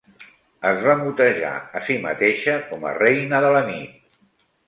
Es va motejar a si mateixa com a "Reina de la nit".